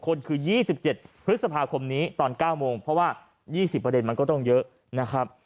คนคือ๒๗พฤษภาคมนี้ตอน๙โมงเพราะว่า๒๐ประเด็นมันก็ต้องเยอะนะครับ